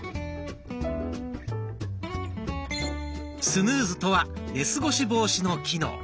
「スヌーズ」とは寝過ごし防止の機能。